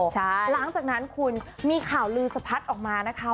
หลังจากนั้นคุณมีข่าวลือสะพัดออกมานะคะ